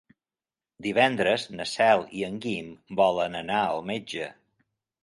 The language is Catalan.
Divendres na Cel i en Guim volen anar al metge.